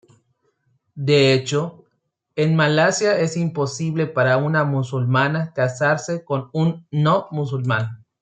De hecho, en Malasia es imposible para una musulmana casarse con un no musulmán.